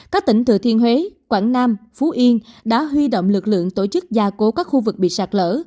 các tỉnh thừa thiên huế quảng nam phú yên đã huy động lực lượng tổ chức gia cố các khu vực bị sạt lở